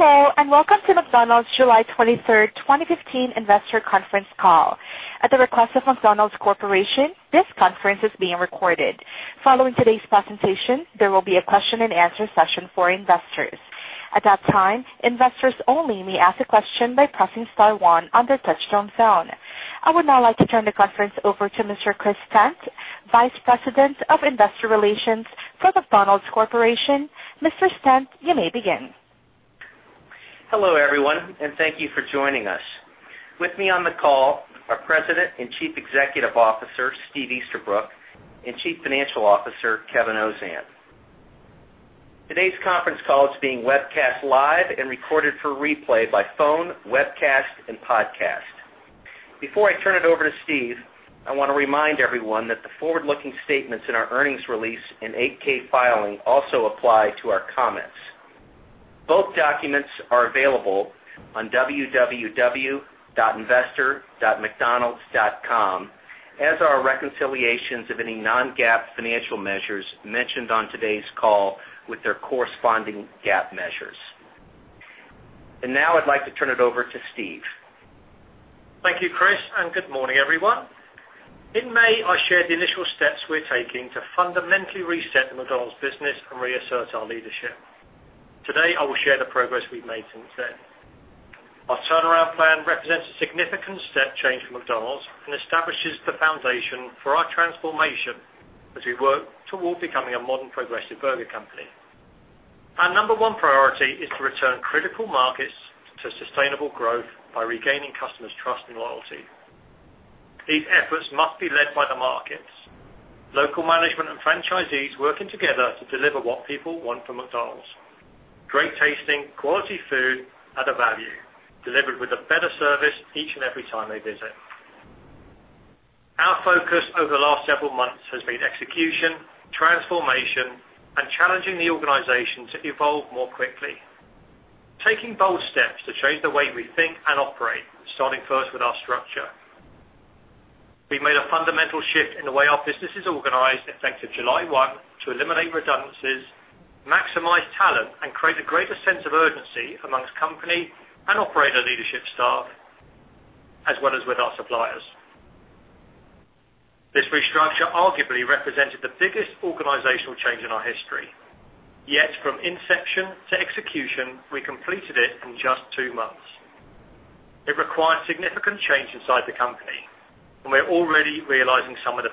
Hello, welcome to McDonald's July 23rd, 2015 investor conference call. At the request of McDonald's Corporation, this conference is being recorded. Following today's presentation, there will be a question and answer session for investors. At that time, investors only may ask a question by pressing star one on their touch-tone phone. I would now like to turn the conference over to Mr. Chris Stent, Vice President of Investor Relations for McDonald's Corporation. Mr. Stent, you may begin. Hello, everyone, thank you for joining us. With me on the call are President and Chief Executive Officer, Steve Easterbrook, and Chief Financial Officer, Kevin Ozan. Today's conference call is being webcast live and recorded for replay by phone, webcast, and podcast. Before I turn it over to Steve, I want to remind everyone that the forward-looking statements in our earnings release and 8K filing also apply to our comments. Both documents are available on www.investor.mcdonalds.com, as are reconciliations of any non-GAAP financial measures mentioned on today's call with their corresponding GAAP measures. Now I'd like to turn it over to Steve. Thank you, Chris, good morning, everyone. In May, I shared the initial steps we're taking to fundamentally reset the McDonald's business and reassert our leadership. Today, I will share the progress we've made since then. Our turnaround plan represents a significant step change for McDonald's and establishes the foundation for our transformation as we work toward becoming a modern, progressive burger company. Our number one priority is to return critical markets to sustainable growth by regaining customers' trust and loyalty. These efforts must be led by the markets. Local management and franchisees working together to deliver what people want from McDonald's. Great tasting, quality food at a value, delivered with a better service each and every time they visit. Our focus over the last several months has been execution, transformation, and challenging the organization to evolve more quickly. Taking bold steps to change the way we think and operate, starting first with our structure. We made a fundamental shift in the way our business is organized effective July 1, to eliminate redundancies, maximize talent, and create a greater sense of urgency amongst company and operator leadership staff, as well as with our suppliers. This restructure arguably represented the biggest organizational change in our history. Yet, from inception to execution, we completed it in just two months. It required significant change inside the company, and we're already realizing some of the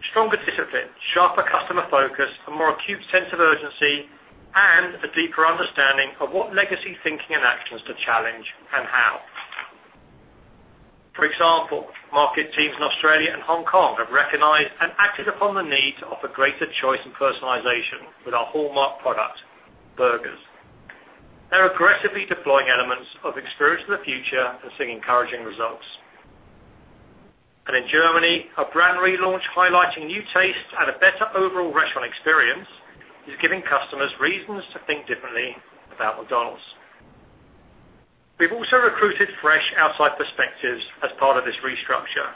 benefits. Stronger discipline, sharper customer focus, a more acute sense of urgency, and a deeper understanding of what legacy thinking and actions to challenge and how. For example, market teams in Australia and Hong Kong have recognized and acted upon the need to offer greater choice and personalization with our hallmark product, burgers. They're aggressively deploying elements of Experience of the Future and seeing encouraging results. In Germany, a brand relaunch highlighting new tastes and a better overall restaurant experience is giving customers reasons to think differently about McDonald's. We've also recruited fresh outside perspectives as part of this restructure.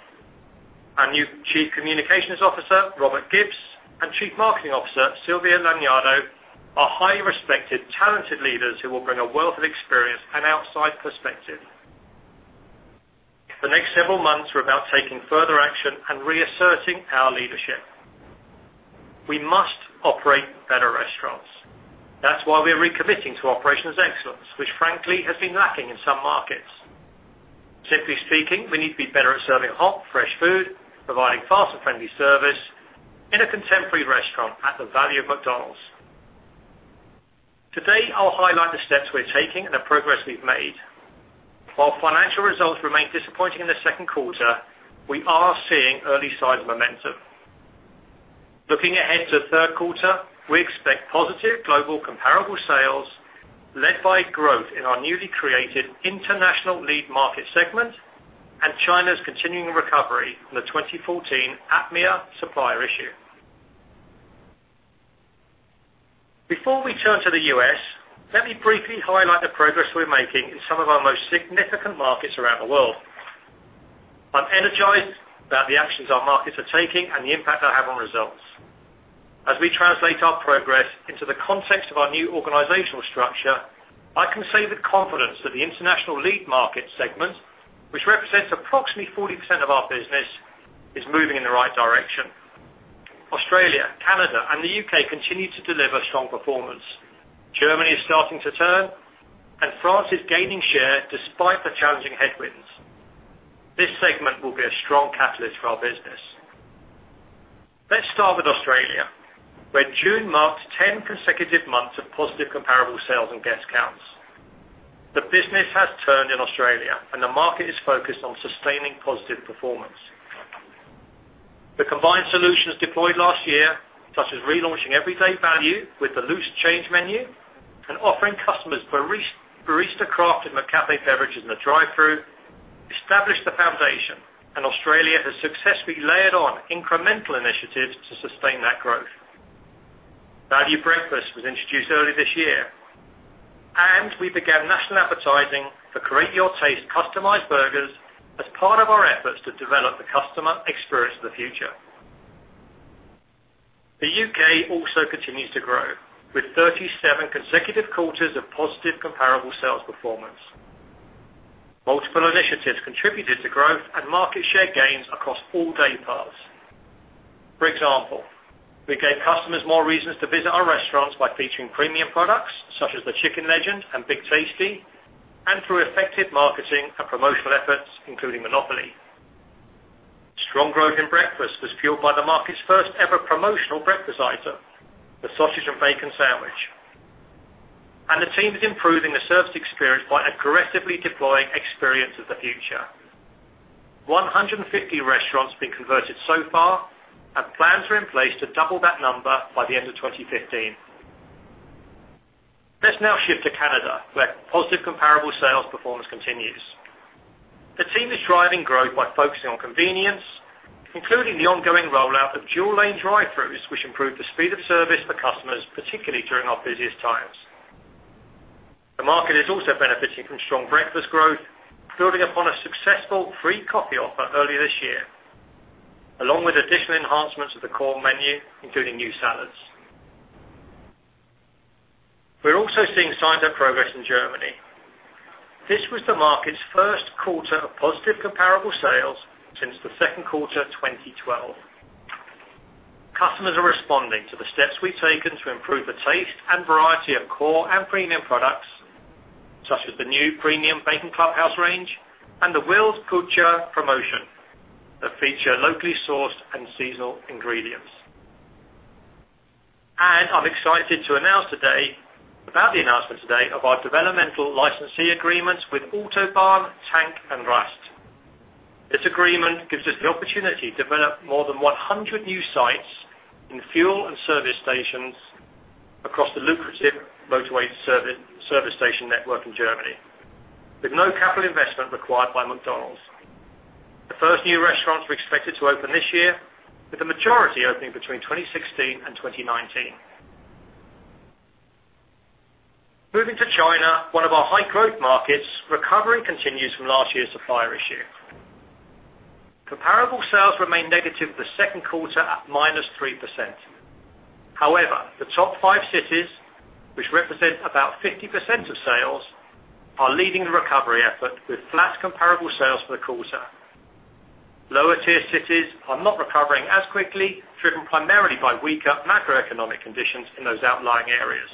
Our new Chief Communications Officer, Robert Gibbs, and Chief Marketing Officer, Silvia Lagnado, are highly respected, talented leaders who will bring a wealth of experience and outside perspective. The next several months are about taking further action and reasserting our leadership. We must operate better restaurants. That's why we're recommitting to operations excellence, which frankly has been lacking in some markets. Simply speaking, we need to be better at serving hot, fresh food, providing faster friendly service in a contemporary restaurant at the value of McDonald's. Today, I'll highlight the steps we're taking and the progress we've made. While financial results remain disappointing in the second quarter, we are seeing early signs of momentum. Looking ahead to the third quarter, we expect positive global comparable sales led by growth in our newly created International Lead Market segment and China's continuing recovery from the 2014 APMEA supplier issue. Before we turn to the U.S., let me briefly highlight the progress we're making in some of our most significant markets around the world. I'm energized about the actions our markets are taking and the impact they'll have on results. As we translate our progress into the context of our new organizational structure, I can say with confidence that the International Lead Market segment, which represents approximately 40% of our business, is moving in the right direction. Australia, Canada, and the U.K. continue to deliver strong performance. Germany is starting to turn, France is gaining share despite the challenging headwinds. This segment will be a strong catalyst for our business. Let's start with Australia, where June marked 10 consecutive months of positive comparable sales and guest counts. The business has turned in Australia, the market is focused on sustaining positive performance. The combined solutions deployed last year, such as relaunching everyday value with the Loose Change Menu and offering customers barista-crafted McCafé beverages in the drive-thru, established the foundation, Australia has successfully layered on incremental initiatives to sustain that growth. Value breakfast was introduced early this year, we began national advertising for Create Your Taste customized burgers as part of our efforts to develop the customer Experience of the Future. The U.K. also continues to grow with 37 consecutive quarters of positive comparable sales performance. Multiple initiatives contributed to growth and market share gains across all day parts. For example, we gave customers more reasons to visit our restaurants by featuring premium products such as the Chicken Legend and Big Tasty, through effective marketing and promotional efforts, including Monopoly. Strong growth in breakfast was fueled by the market's first-ever promotional breakfast item, the sausage and bacon sandwich. The team is improving the service experience by aggressively deploying Experience of the Future. 150 restaurants have been converted so far, plans are in place to double that number by the end of 2015. Let's now shift to Canada, where positive comparable sales performance continues. The team is driving growth by focusing on convenience, including the ongoing rollout of dual-lane drive-throughs, which improve the speed of service for customers, particularly during our busiest times. The market is also benefiting from strong breakfast growth, building upon a successful free coffee offer earlier this year, along with additional enhancements to the core menu, including new salads. We're also seeing signs of progress in Germany. This was the market's first quarter of positive comparable sales since the second quarter of 2012. Customers are responding to the steps we've taken to improve the taste and variety of core and premium products, such as the new premium Bacon Clubhouse range and the Will's Küche promotion that feature locally sourced and seasonal ingredients. I'm excited about the announcement today of our developmental licensee agreements with Autobahn Tank & Rast. This agreement gives us the opportunity to develop more than 100 new sites in fuel and service stations across the lucrative motorway service station network in Germany, with no capital investment required by McDonald's. The first new restaurants are expected to open this year, with the majority opening between 2016 and 2019. Moving to China, one of our high-growth markets, recovery continues from last year's supplier issue. Comparable sales remained negative for the second quarter at minus 3%. The top five cities, which represent about 50% of sales, are leading the recovery effort with flat comparable sales for the quarter. Lower tier cities are not recovering as quickly, driven primarily by weaker macroeconomic conditions in those outlying areas.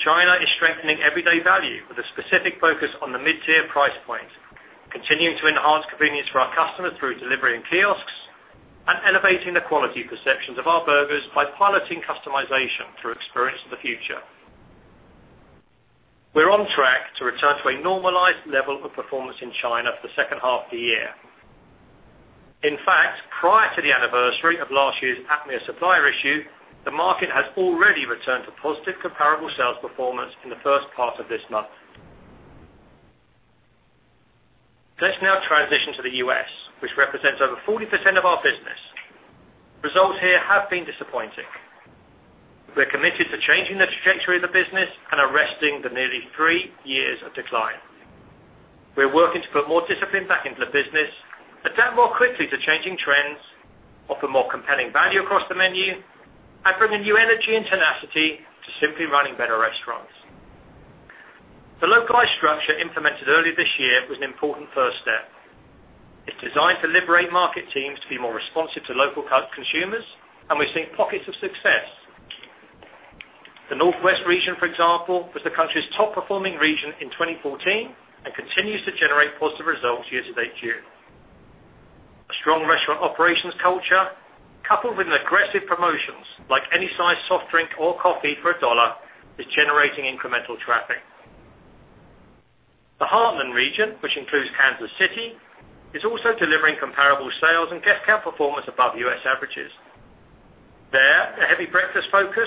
China is strengthening everyday value with a specific focus on the mid-tier price point, continuing to enhance convenience for our customers through delivery and kiosks, and elevating the quality perceptions of our burgers by piloting customization through Experience of the Future. We're on track to return to a normalized level of performance in China for the second half of the year. In fact, prior to the anniversary of last year's APMEA supplier issue, the market has already returned to positive comparable sales performance in the first part of this month. Let's now transition to the U.S., which represents over 40% of our business. Results here have been disappointing. We're committed to changing the trajectory of the business and arresting the nearly three years of decline. We're working to put more discipline back into the business, adapt more quickly to changing trends, offer more compelling value across the menu, and bring a new energy and tenacity to simply running better restaurants. The localized structure implemented earlier this year was an important first step. It's designed to liberate market teams to be more responsive to local consumers, and we've seen pockets of success. The Northwest region, for example, was the country's top performing region in 2014 and continues to generate positive results year to date year. A strong restaurant operations culture, coupled with aggressive promotions like any size soft drink or coffee for $1 is generating incremental traffic. The Heartland region, which includes Kansas City, is also delivering comparable sales and guest count performance above U.S. averages. There, a heavy breakfast focus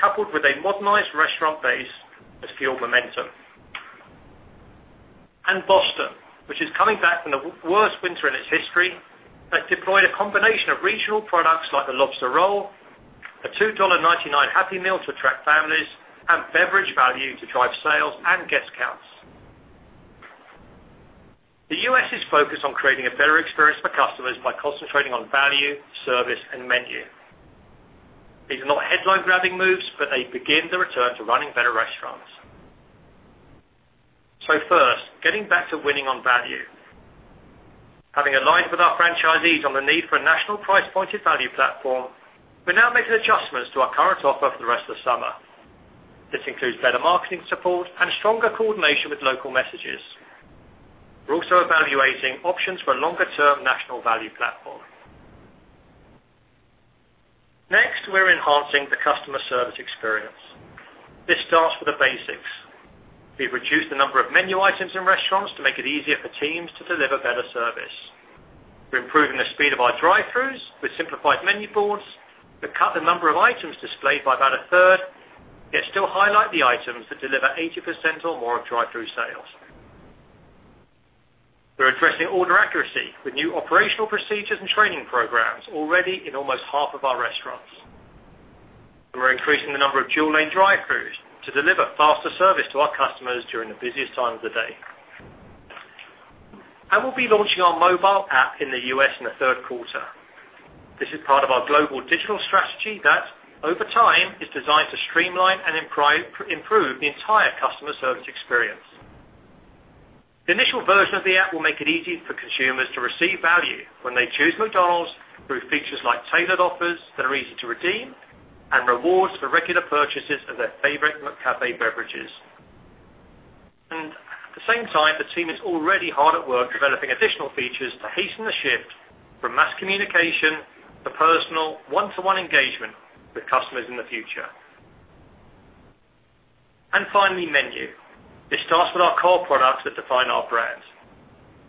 coupled with a modernized restaurant base has fueled momentum. Boston, which is coming back from the worst winter in its history, has deployed a combination of regional products like the Lobster Roll, a $2.99 Happy Meal to attract families, and beverage value to drive sales and guest counts. The U.S. is focused on creating a better experience for customers by concentrating on value, service, and menu. These are not headline-grabbing moves, but they begin the return to running better restaurants. First, getting back to winning on value. Having aligned with our franchisees on the need for a national price pointed value platform, we're now making adjustments to our current offer for the rest of the summer. This includes better marketing support and stronger coordination with local messages. We're also evaluating options for a longer-term national value platform. Next, we're enhancing the customer service experience. This starts with the basics. We've reduced the number of menu items in restaurants to make it easier for teams to deliver better service. We're improving the speed of our drive-throughs with simplified menu boards that cut the number of items displayed by about a third, yet still highlight the items that deliver 80% or more of drive-through sales. We're addressing order accuracy with new operational procedures and training programs already in almost half of our restaurants. We're increasing the number of dual-lane drive-throughs to deliver faster service to our customers during the busiest time of the day. We'll be launching our mobile app in the U.S. in the third quarter. This is part of our global digital strategy that, over time, is designed to streamline and improve the entire customer service experience. The initial version of the app will make it easy for consumers to receive value when they choose McDonald's through features like tailored offers that are easy to redeem and rewards for regular purchases of their favorite McCafé beverages. At the same time, the team is already hard at work developing additional features to hasten the shift from mass communication to personal one-to-one engagement with customers in the future. Finally, menu. This starts with our core products that define our brand.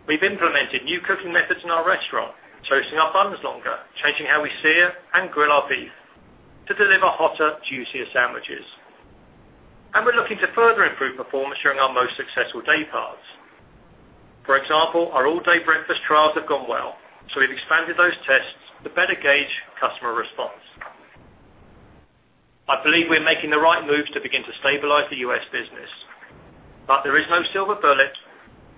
We've implemented new cooking methods in our restaurant, toasting our buns longer, changing how we sear and grill our beef to deliver hotter, juicier sandwiches. We're looking to further improve performance during our most successful day parts. For example, our all-day breakfast trials have gone well, so we've expanded those tests to better gauge customer response. I believe we are making the right moves to begin to stabilize the U.S. business. There is no silver bullet.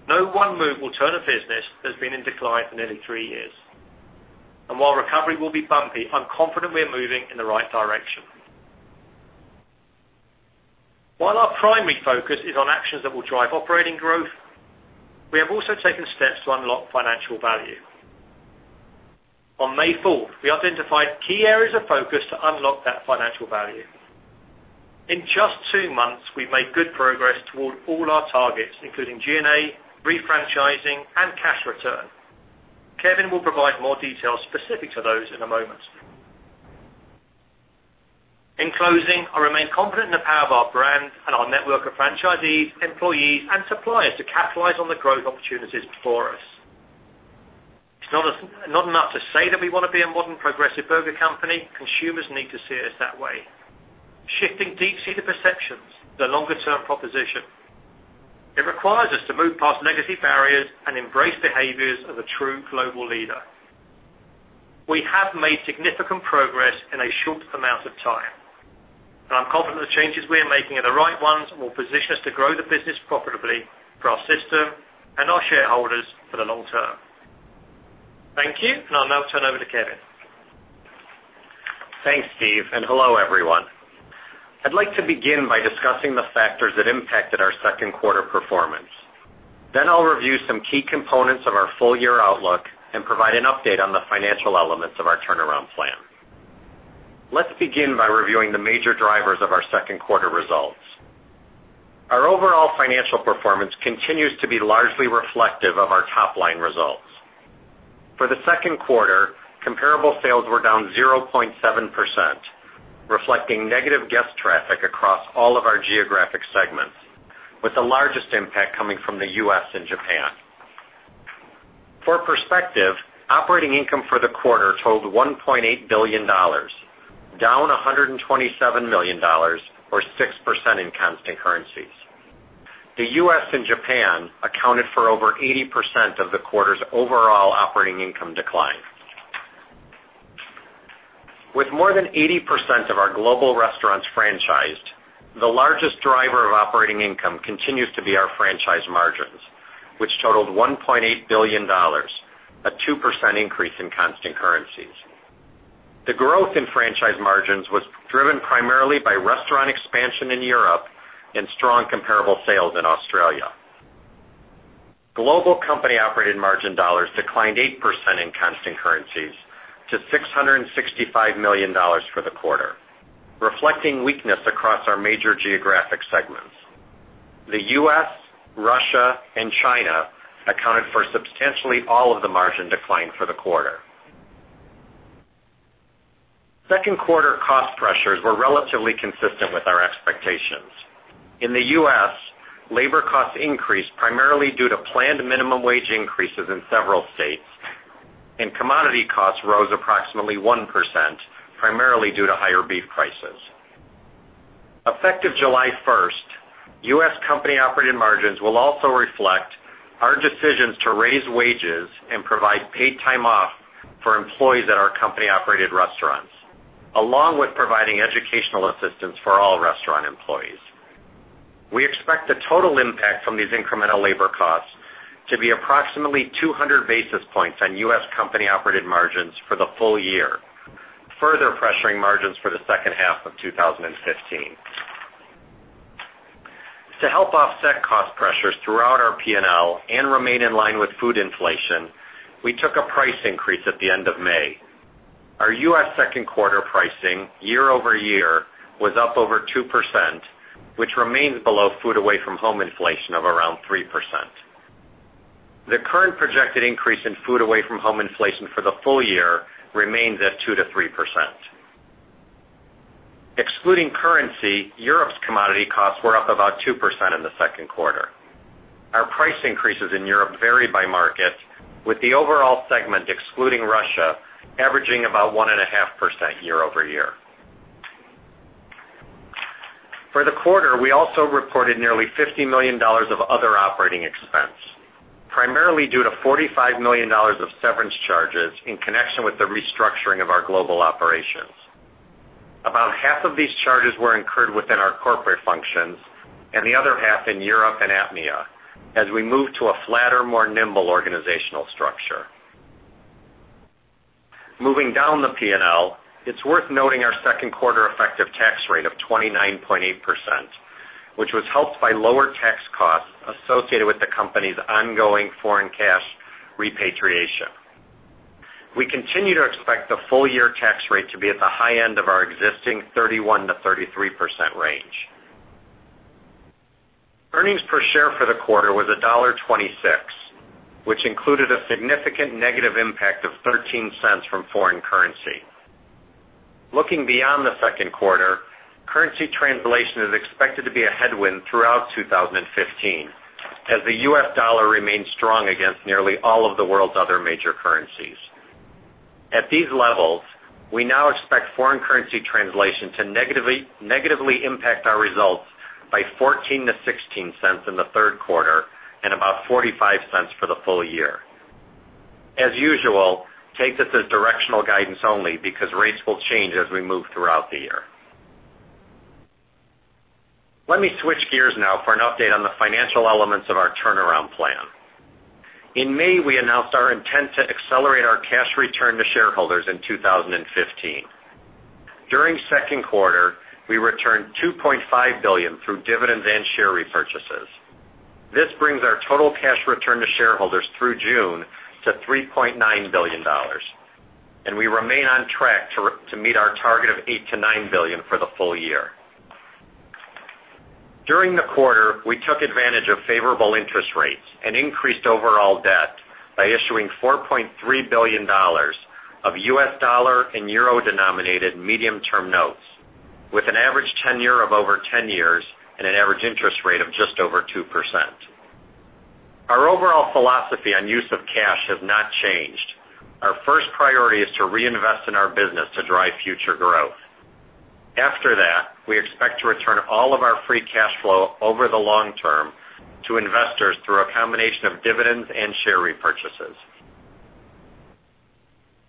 No one move will turn a business that's been in decline for nearly three years. While recovery will be bumpy, I'm confident we're moving in the right direction. While our primary focus is on actions that will drive operating growth, we have also taken steps to unlock financial value. On May 4th, we identified key areas of focus to unlock that financial value. In just two months, we've made good progress toward all our targets, including G&A, refranchising, and cash return. Kevin will provide more details specific to those in a moment. In closing, I remain confident in the power of our brand and our network of franchisees, employees, and suppliers to capitalize on the growth opportunities before us. It's not enough to say that we want to be a modern, progressive burger company. Consumers need to see us that way. Shifting deep-seated perceptions is a longer-term proposition. It requires us to move past legacy barriers and embrace behaviors of a true global leader. We have made significant progress in a short amount of time, I'm confident the changes we are making are the right ones and will position us to grow the business profitably for our system and our shareholders for the long term. Thank you. I'll now turn over to Kevin. Thanks, Steve. Hello, everyone. I'd like to begin by discussing the factors that impacted our second quarter performance. I'll review some key components of our full-year outlook and provide an update on the financial elements of our turnaround plan. Let's begin by reviewing the major drivers of our second quarter results. Our overall financial performance continues to be largely reflective of our top-line results. For the second quarter, comparable sales were down 0.7%, reflecting negative guest traffic across all of our geographic segments, with the largest impact coming from the U.S. and Japan. For perspective, operating income for the quarter totaled $1.8 billion, down $127 million, or 6% in constant currencies. The U.S. and Japan accounted for over 80% of the quarter's overall operating income decline. With more than 80% of our global restaurants franchised, the largest driver of operating income continues to be our franchise margins, which totaled $1.8 billion, a 2% increase in constant currencies. The growth in franchise margins was driven primarily by restaurant expansion in Europe and strong comparable sales in Australia. Global company-operated margin dollars declined 8% in constant currencies to $665 million for the quarter, reflecting weakness across our major geographic segments. The U.S., Russia, and China accounted for substantially all of the margin decline for the quarter. Second quarter cost pressures were relatively consistent with our expectations. In the U.S., labor cost increased primarily due to planned minimum wage increases in several states, and commodity costs rose approximately 1%, primarily due to higher beef prices. Effective July 1st, U.S. company-operated margins will also reflect our decisions to raise wages and provide paid time off for employees at our company-operated restaurants, along with providing educational assistance for all restaurant employees. We expect the total impact from these incremental labor costs to be approximately 200 basis points on U.S. company-operated margins for the full year, further pressuring margins for the second half of 2015. To help offset cost pressures throughout our P&L and remain in line with food inflation, we took a price increase at the end of May. Our U.S. second quarter pricing year-over-year was up over 2%, which remains below food away from home inflation of around 3%. The current projected increase in food away from home inflation for the full year remains at 2%-3%. Excluding currency, Europe's commodity costs were up about 2% in the second quarter. Our price increases in Europe vary by market, with the overall segment, excluding Russia, averaging about 1.5% year-over-year. For the quarter, we also reported nearly $50 million of other operating expense, primarily due to $45 million of severance charges in connection with the restructuring of our global operation. About half of these charges were incurred within our corporate functions, and the other half in Europe and APMEA as we move to a flatter, more nimble organizational structure. Moving down the P&L, it's worth noting our second quarter effective tax rate of 29.8%, which was helped by lower tax costs associated with the company's ongoing foreign cash repatriation. We continue to expect the full year tax rate to be at the high end of our existing 31%-33% range. Earnings per share for the quarter was $1.26, which included a significant negative impact of $0.13 from foreign currency. Looking beyond the second quarter, currency translation is expected to be a headwind throughout 2015, as the U.S. dollar remains strong against nearly all of the world's other major currencies. At these levels, we now expect foreign currency translation to negatively impact our results by $0.14-$0.16 in the third quarter, and about $0.45 for the full year. As usual, take this as directional guidance only because rates will change as we move throughout the year. Let me switch gears now for an update on the financial elements of our turnaround plan. In May, we announced our intent to accelerate our cash return to shareholders in 2015. During second quarter, we returned $2.5 billion through dividends and share repurchases. This brings our total cash return to shareholders through June to $3.9 billion, and we remain on track to meet our target of $8 billion-$9 billion for the full year. During the quarter, we took advantage of favorable interest rates and increased overall debt by issuing $4.3 billion of U.S. dollar and euro-denominated medium-term notes, with an average tenure of over 10 years and an average interest rate of just over 2%. Our overall philosophy on use of cash has not changed. Our first priority is to reinvest in our business to drive future growth. After that, we expect to return all of our free cash flow over the long term to investors through a combination of dividends and share repurchases.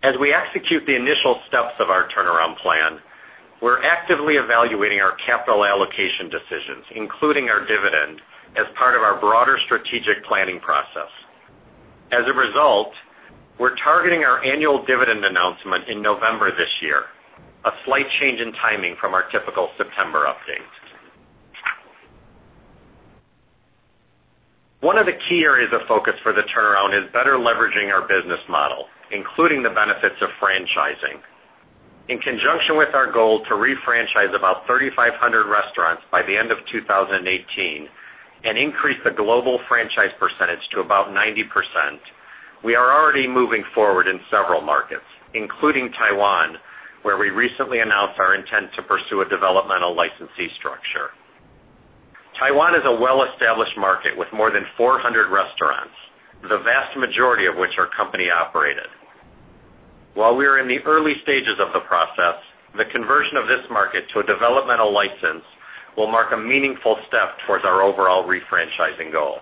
As we execute the initial steps of our turnaround plan, we're actively evaluating our capital allocation decisions, including our dividend, as part of our broader strategic planning process. We're targeting our annual dividend announcement in November this year, a slight change in timing from our typical September update. One of the key areas of focus for the turnaround is better leveraging our business model, including the benefits of franchising. In conjunction with our goal to refranchise about 3,500 restaurants by the end of 2018 and increase the global franchise percentage to about 90%, we are already moving forward in several markets, including Taiwan, where we recently announced our intent to pursue a developmental licensee structure. Taiwan is a well-established market with more than 400 restaurants, the vast majority of which are company-operated. While we are in the early stages of the process, the conversion of this market to a developmental license will mark a meaningful step towards our overall refranchising goal.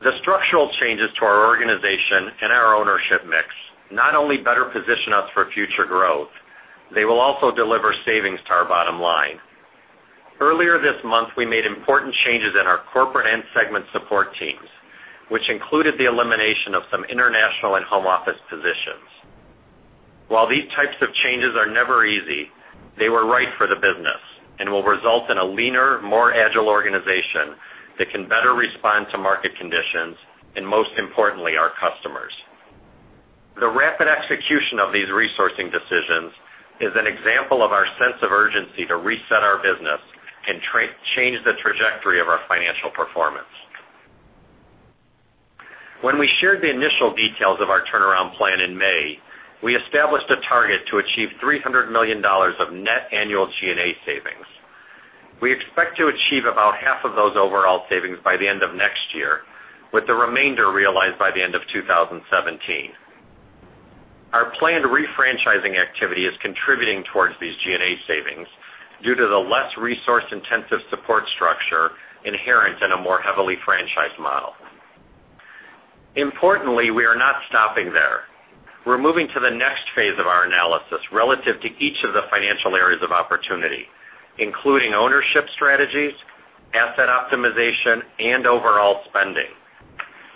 The structural changes to our organization and our ownership mix not only better position us for future growth, they will also deliver savings to our bottom line. Earlier this month, we made important changes in our corporate and segment support teams, which included the elimination of some international and home office positions. While these types of changes are never easy, they were right for the business and will result in a leaner, more agile organization that can better respond to market conditions, and most importantly, our customers. The rapid execution of these resourcing decisions is an example of our sense of urgency to reset our business and change the trajectory of our financial performance. When we shared the initial details of our turnaround plan in May, we established a target to achieve $300 million of net annual G&A savings. We expect to achieve about half of those overall savings by the end of next year, with the remainder realized by the end of 2017. Our planned refranchising activity is contributing towards these G&A savings due to the less resource-intensive support structure inherent in a more heavily franchised model. We are not stopping there. We're moving to the next phase of our analysis relative to each of the financial areas of opportunity, including ownership strategies, asset optimization, and overall spending.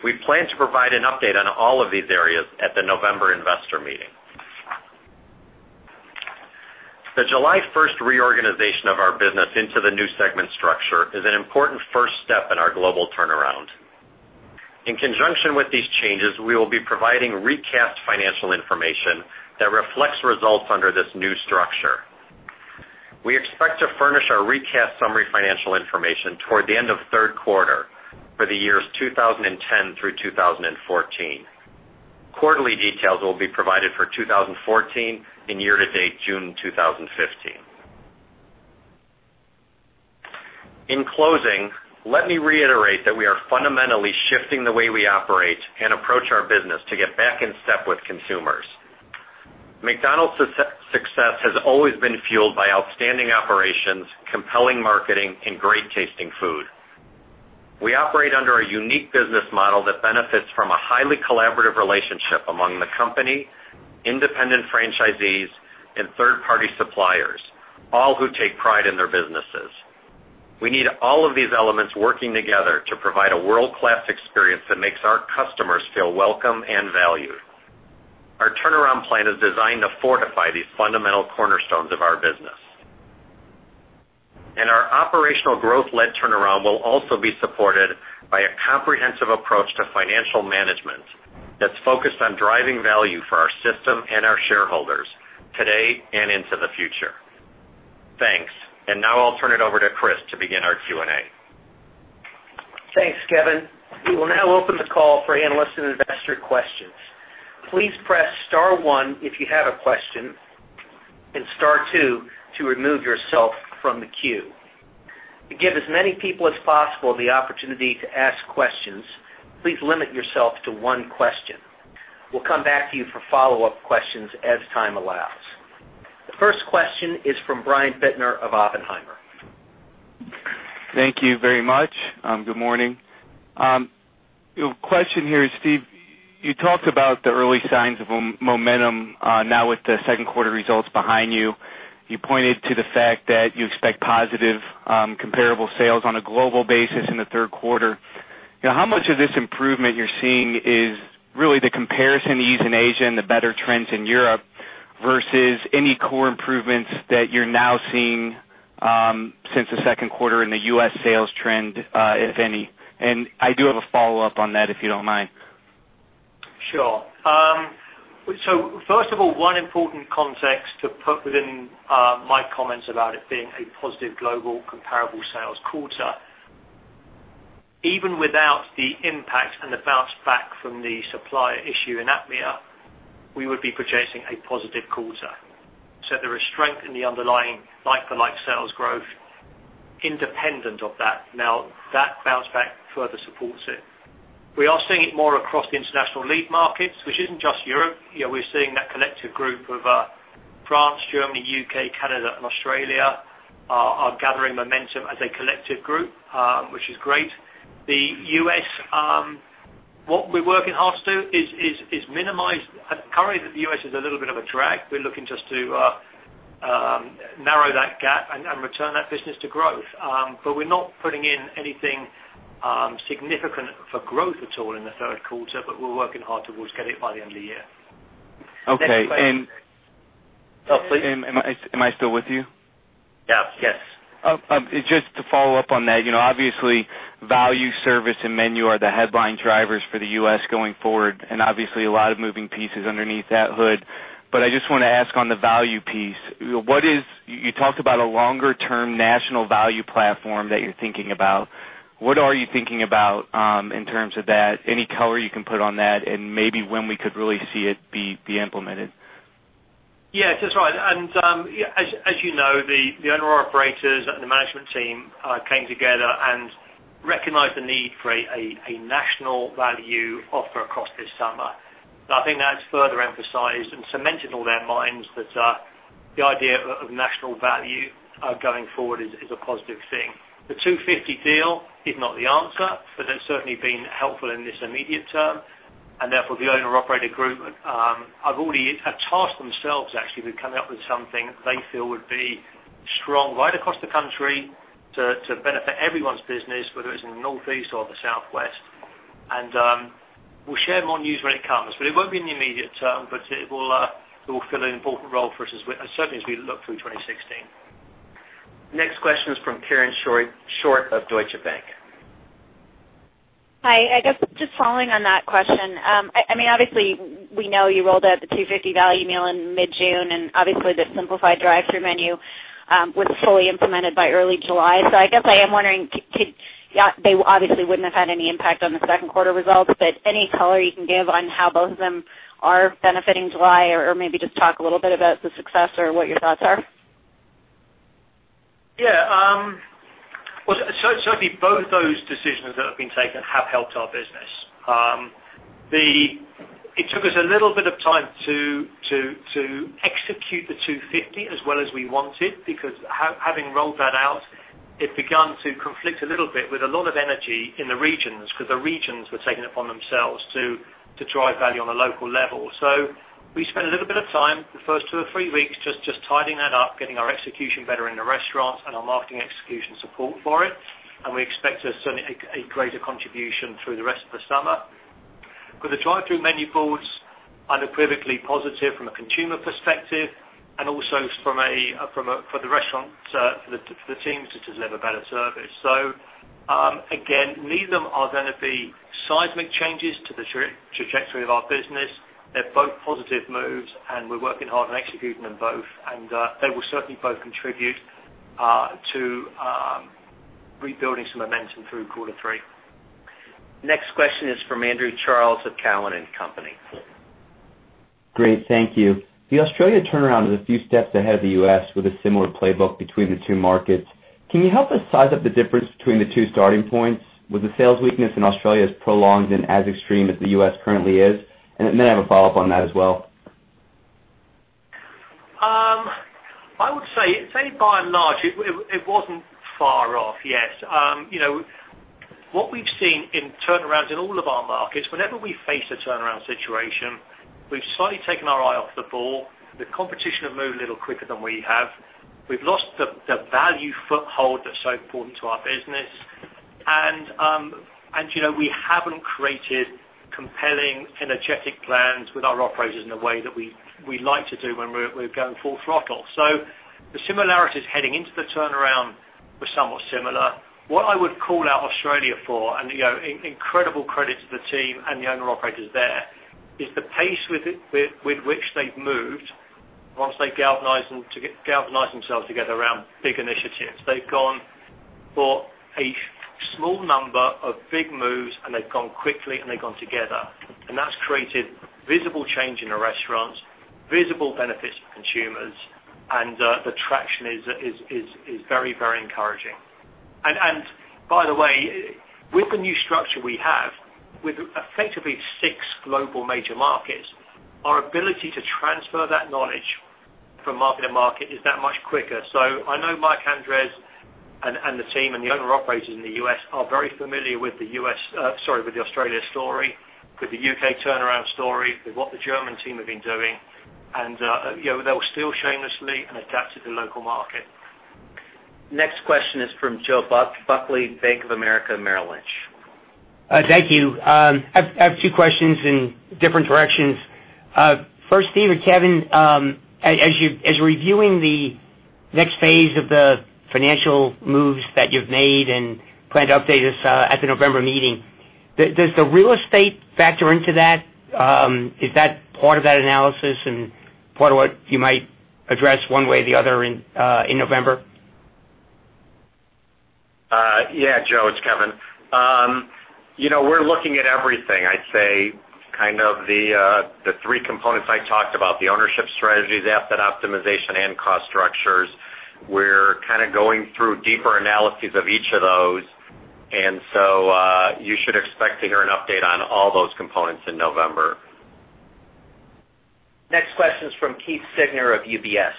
We plan to provide an update on all of these areas at the November investor meeting. The July 1st reorganization of our business into the new segment structure is an important first step in our global turnaround. In conjunction with these changes, we will be providing recast financial information that reflects results under this new structure. We expect to furnish our recast summary financial information toward the end of the third quarter for the years 2010 through 2014. Quarterly details will be provided for 2014 and year-to-date June 2015. In closing, let me reiterate that we are fundamentally shifting the way we operate and approach our business to get back in step with consumers. McDonald's success has always been fueled by outstanding operations, compelling marketing, and great-tasting food. We operate under a unique business model that benefits from a highly collaborative relationship among the company, independent franchisees, and third-party suppliers, all who take pride in their businesses. We need all of these elements working together to provide a world-class experience that makes our customers feel welcome and valued. Our turnaround plan is designed to fortify these fundamental cornerstones of our business. Our operational growth-led turnaround will also be supported by a comprehensive approach to financial management that's focused on driving value for our system and our shareholders today and into the future. Thanks. Now I'll turn it over to Chris to begin our Q&A. Thanks, Kevin. We will now open the call for analyst and investor questions. Please press star one if you have a question, and star two to remove yourself from the queue. To give as many people as possible the opportunity to ask questions, please limit yourself to one question. We'll come back to you for follow-up questions as time allows. The first question is from Brian Bittner of Oppenheimer. Thank you very much. Good morning. Question here, Steve, you talked about the early signs of momentum now with the second quarter results behind you. You pointed to the fact that you expect positive comparable sales on a global basis in the third quarter. How much of this improvement you're seeing is really the comparison ease in Asia and the better trends in Europe versus any core improvements that you're now seeing since the second quarter in the U.S. sales trend, if any? I do have a follow-up on that, if you don't mind. Sure. First of all, one important context to put within my comments about it being a positive global comparable sales quarter. Even without the impact and the bounce back from the supplier issue in APMEA, we would be projecting a positive quarter. There is strength in the underlying like-for-like sales growth independent of that. Now, that bounce back further supports it. We are seeing it more across the international lead markets, which isn't just Europe. We're seeing that collective group of France, Germany, U.K., Canada, and Australia are gathering momentum as a collective group, which is great. The U.S., what we're working hard to do is minimize Currently, the U.S. is a little bit of a drag. We're looking just to narrow that gap and return that business to growth. We're not putting in anything significant for growth at all in the third quarter, we're working hard towards getting it by the end of the year. Okay. Please. Am I still with you? Yeah. Yes. Just to follow up on that, obviously value, service, and menu are the headline drivers for the U.S. going forward, and obviously a lot of moving pieces underneath that hood. I just want to ask on the value piece, you talked about a longer-term national value platform that you're thinking about. What are you thinking about in terms of that? Any color you can put on that, and maybe when we could really see it be implemented? Yes, that's right. As you know, the owner-operators and the management team came together and recognized the need for a national value offer across this summer. I think that's further emphasized and cemented all their minds that the idea of national value going forward is a positive thing. The $2.50 deal is not the answer, that's certainly been helpful in this immediate term. Therefore, the owner-operator group have tasked themselves actually with coming up with something they feel would be strong right across the country to benefit everyone's business, whether it's in the Northeast or the Southwest. We'll share more news when it comes. It won't be in the immediate term, but it will fill an important role for us as certainly as we look through 2016. Next question is from Karen Short of Deutsche Bank. Hi, I guess just following on that question. Obviously, we know you rolled out the $2.50 value meal in mid-June, and obviously the simplified drive-through menu was fully implemented by early July. I guess I am wondering, they obviously wouldn't have had any impact on the second quarter results, but any color you can give on how both of them are benefiting July? Maybe just talk a little bit about the success or what your thoughts are? Yeah. Certainly both those decisions that have been taken have helped our business. It took us a little bit of time to execute the $2.50 as well as we wanted, because having rolled that out, it began to conflict a little bit with a lot of energy in the regions because the regions were taking it upon themselves to drive value on a local level. We spent a little bit of time, the first two or three weeks, just tidying that up, getting our execution better in the restaurants and our marketing execution support for it, and we expect certainly a greater contribution through the rest of the summer. With the drive-through menu boards, unequivocally positive from a consumer perspective and also for the restaurant for the teams to deliver better service. Again, neither of them are going to be seismic changes to the trajectory of our business. They're both positive moves, and we're working hard on executing them both. They will certainly both contribute to rebuilding some momentum through quarter three. Next question is from Andrew Charles of Cowen and Company. Great. Thank you. The Australia turnaround is a few steps ahead of the U.S. with a similar playbook between the two markets. Can you help us size up the difference between the two starting points? Was the sales weakness in Australia as prolonged and as extreme as the U.S. currently is? I have a follow-up on that as well. Say, by and large, it wasn't far off. Yes. What we've seen in turnarounds in all of our markets, whenever we face a turnaround situation, we've slightly taken our eye off the ball. The competition has moved a little quicker than we have. We've lost the value foothold that's so important to our business, and we haven't created compelling, energetic plans with our operators in a way that we like to do when we're going full throttle. The similarities heading into the turnaround were somewhat similar. What I would call out Australia for, and incredible credit to the team and the owner operators there, is the pace with which they've moved once they galvanized themselves together around big initiatives. They've gone for a small number of big moves, and they've gone quickly, and they've gone together. That's created visible change in the restaurants, visible benefits for consumers, and the traction is very encouraging. By the way, with the new structure we have, with effectively six global major markets, our ability to transfer that knowledge from market to market is that much quicker. I know Mike Andres and the team and the owner operators in the U.S. are very familiar with the Australia story, with the U.K. turnaround story, with what the German team have been doing, and they'll steal shamelessly and adapt to the local market. Next question is from Joe Buckley, Bank of America, Merrill Lynch. Thank you. I have two questions in different directions. First, Steve or Kevin, as you're reviewing the next phase of the financial moves that you've made and plan to update us at the November meeting, does the real estate factor into that? Is that part of that analysis and part of what you might address one way or the other in November? Yeah. Joe, it's Kevin. We're looking at everything. I'd say kind of the three components I talked about, the ownership strategies, the asset optimization, and cost structures. We're kind of going through deeper analyses of each of those. You should expect to hear an update on all those components in November. Next question is from Keith Siegner of UBS.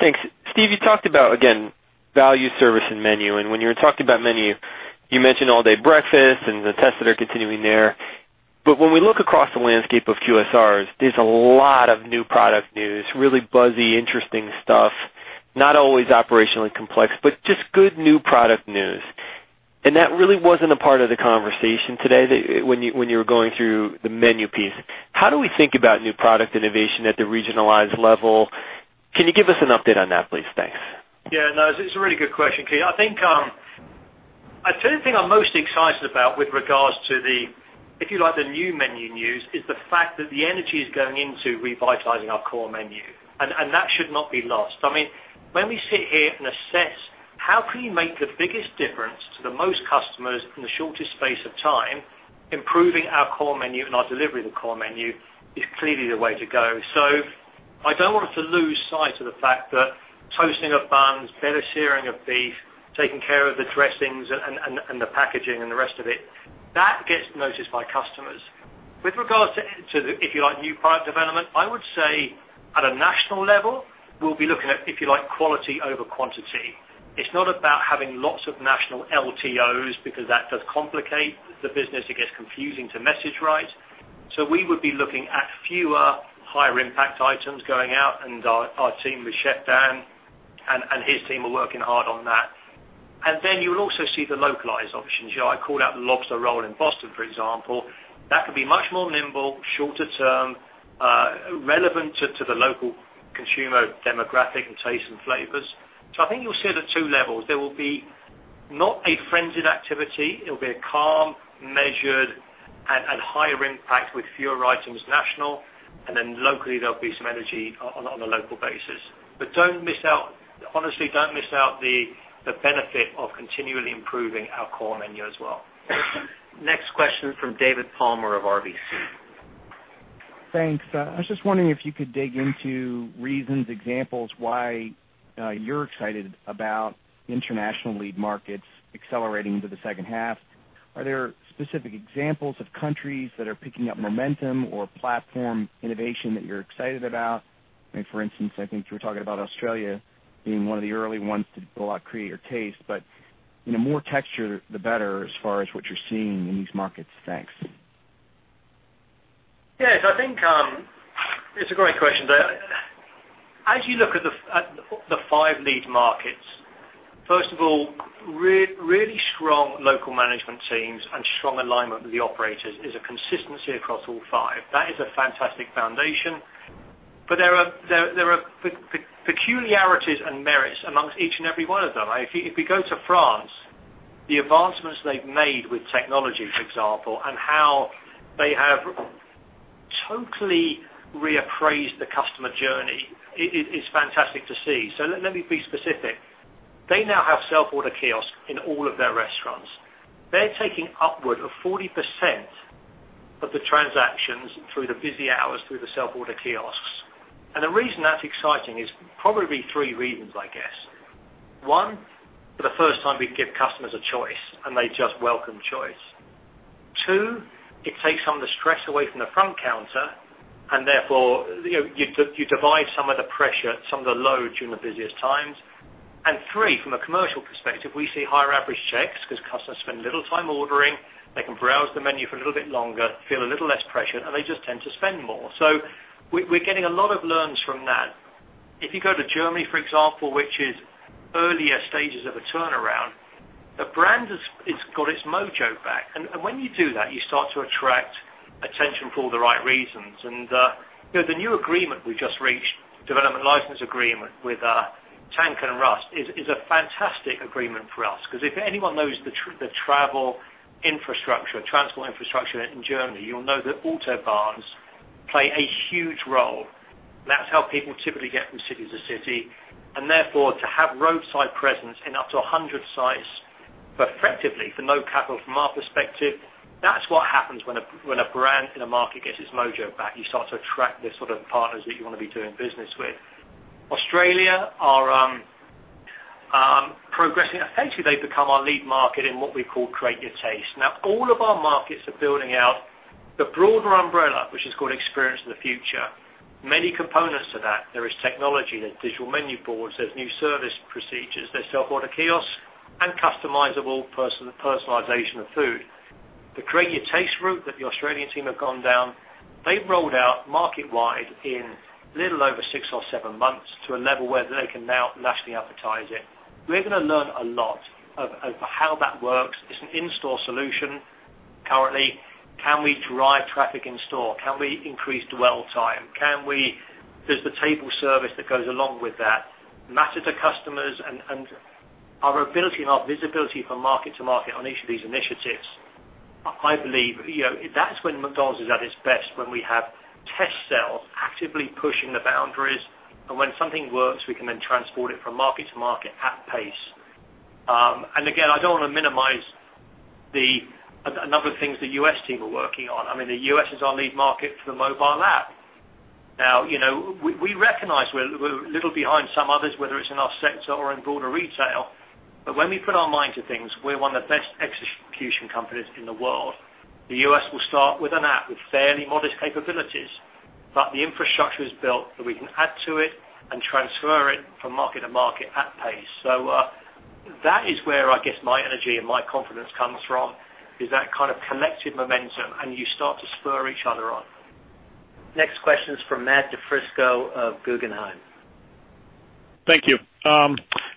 Thanks. Steve, you talked about, again, value, service, and menu. When you were talking about menu, you mentioned All-Day Breakfast and the tests that are continuing there. When we look across the landscape of QSRs, there's a lot of new product news, really buzzy, interesting stuff. Not always operationally complex, just good new product news. That really wasn't a part of the conversation today when you were going through the menu piece. How do we think about new product innovation at the regionalized level? Can you give us an update on that, please? Thanks. Yeah, no, it's a really good question, Keith. I think the thing I'm most excited about with regards to the, if you like, the new menu news, is the fact that the energy is going into revitalizing our core menu, and that should not be lost. When we sit here and assess how can we make the biggest difference to the most customers in the shortest space of time, improving our core menu and our delivery of the core menu is clearly the way to go. I don't want us to lose sight of the fact that toasting of buns, better searing of beef, taking care of the dressings and the packaging and the rest of it, that gets noticed by customers. With regards to the, if you like, new product development, I would say at a national level, we'll be looking at, if you like, quality over quantity. It's not about having lots of national LTOs, because that does complicate the business. It gets confusing to message right. We would be looking at fewer higher impact items going out, and our team with Dan Coudreaut and his team are working hard on that. You will also see the localized options. I called out the Lobster Roll in Boston, for example. That could be much more nimble, shorter term, relevant to the local consumer demographic and tastes and flavors. I think you'll see the two levels. There will be not a frenzied activity. It'll be a calm, measured, and higher impact with fewer items, national. Locally, there'll be some energy on a local basis. Honestly, don't miss out the benefit of continually improving our core menu as well. Next question from David Palmer of RBC. Thanks. I was just wondering if you could dig into reasons, examples why you're excited about international lead markets accelerating into the second half. Are there specific examples of countries that are picking up momentum or platform innovation that you're excited about? For instance, I think you were talking about Australia being one of the early ones to roll out Create Your Taste, more texture the better as far as what you're seeing in these markets. Thanks. Yes, it's a great question. As you look at the 5 lead markets, first of all, really strong local management teams and strong alignment with the operators is a consistency across all 5. That is a fantastic foundation. There are peculiarities and merits amongst each and every one of them. If we go to France, the advancements they've made with technology, for example, and how they have totally reappraised the customer journey, is fantastic to see. Let me be specific. They now have self-order kiosks in all of their restaurants. They're taking upward of 40% of the transactions through the busy hours through the self-order kiosks. The reason that's exciting is probably 3 reasons, I guess. 1, for the first time, we give customers a choice, and they just welcome choice. 2, it takes some of the stress away from the front counter, and therefore, you divide some of the pressure, some of the load during the busiest times. 3, from a commercial perspective, we see higher average checks because customers spend a little time ordering. They can browse the menu for a little bit longer, feel a little less pressure, and they just tend to spend more. We're getting a lot of learns from that. If you go to Germany, for example, which is earlier stages of a turnaround, the brand has got its mojo back. When you do that, you start to attract attention for all the right reasons. The new agreement we just reached, development license agreement with Tank & Rast, is a fantastic agreement for us because if anyone knows the travel infrastructure, transport infrastructure in Germany, you'll know that autobahns play a huge role. That's how people typically get from city to city, and therefore, to have roadside presence in up to 100 sites for effectively for no capital from our perspective, that's what happens when a brand in a market gets its mojo back. You start to attract the sort of partners that you want to be doing business with. Australia are progressing. Effectively, they've become our lead market in what we call Create Your Taste. All of our markets are building out the broader umbrella, which is called Experience of the Future. Many components to that. There is technology, there's digital menu boards, there's new service procedures, there's self-order kiosks, and customizable personalization of food. The Create Your Taste route that the Australian team have gone down, they've rolled out market-wide in little over six or seven months to a level where they can now nationally advertise it. We're going to learn a lot of how that works. It's an in-store solution currently. Can we drive traffic in store? Can we increase dwell time? There's the table service that goes along with that matter to customers and our ability and our visibility from market to market on each of these initiatives. I believe that's when McDonald's is at its best, when we have test cells actively pushing the boundaries, and when something works, we can then transport it from market to market at pace. Again, I don't want to minimize a number of things the U.S. team are working on. I mean, the U.S. is our lead market for the mobile app. We recognize we're a little behind some others, whether it's in our sector or in broader retail. When we put our mind to things, we're one of the best execution companies in the world. The U.S. will start with an app with fairly modest capabilities, but the infrastructure is built that we can add to it and transfer it from market to market at pace. That is where, I guess, my energy and my confidence comes from, is that kind of collective momentum, and you start to spur each other on. Next question is from Matthew DiFrisco of Guggenheim. Thank you.